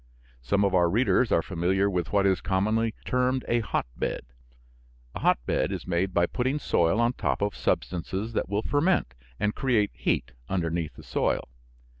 Some of our readers are familiar with what is commonly termed a hotbed. A hotbed is made by putting soil on top of substances that will ferment and create heat underneath the soil.